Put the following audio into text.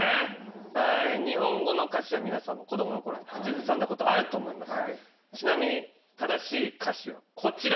日本語の歌詞は皆さんも子供のころに口ずさんだことあると思います。